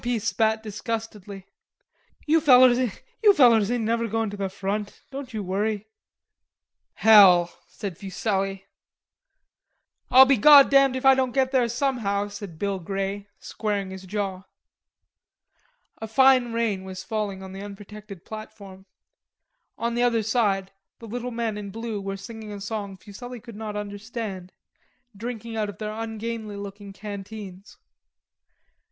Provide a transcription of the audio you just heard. P. spat disgustedly. "You fellers ain't never goin' to the front, don't you worry." "Hell!" said Fuselli. "I'll be goddamned if I don't get there somehow," said Bill Grey, squaring his jaw. A fine rain was falling on the unprotected platform. On the other side the little men in blue were singing a song Fuselli could not understand, drinking out of their ungainly looking canteens.